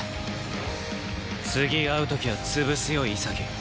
次会う時は潰すよ潔。